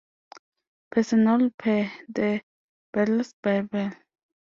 Personnel per "the Beatles Bible".